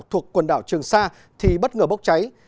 thuộc quần đảo trường sa thì bất ngờ bốc cháy